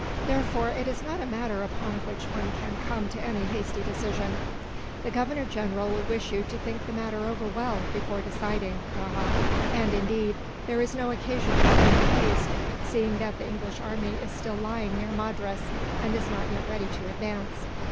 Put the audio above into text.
Therefore it is not a matter upon which one can come to any hasty decision." "The Governor General would wish you to think the matter over well, before deciding, Rajah; and indeed, there is no occasion for undue haste, seeing that the English army is still lying near Madras, and is not yet ready to advance.